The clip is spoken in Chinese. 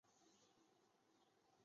绿豆是代表芝麻绿豆的小事。